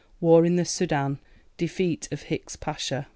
War in the Soudan. Defeat of Hicks Pasha.